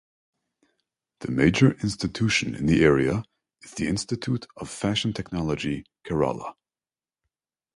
The major institution in the area is The Institute of Fashion Technology Kerala.